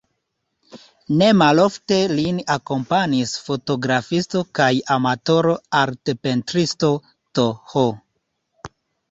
Ne malofte lin akompanis fotografisto kaj amatoro-artpentristo Th.